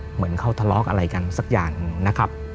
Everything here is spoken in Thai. เหมือนเขาทะเลาะอะไรกันสักอย่างนะครับ